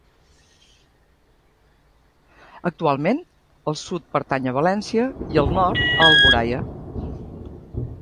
Actualment, el sud pertany a València, i el nord, a Alboraia.